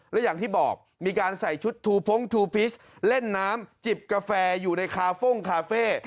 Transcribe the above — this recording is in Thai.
และอย่างที่บอกมีการใส่ชุดทูพงทูปิชเล่นน้ำจิบกาแฟอยู่ในคาโฟ่งคาเฟ่